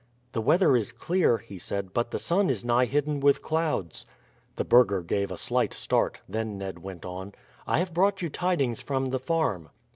"The weather is clear," he said, "but the sun is nigh hidden with clouds." The burgher gave a slight start; then Ned went on: "I have brought you tidings from the farm."